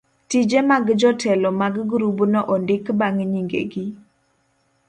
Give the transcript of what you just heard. tije mag jotelo mag grubno ondik bang' nyingegi.